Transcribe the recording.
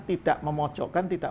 tidak memocokkan tidak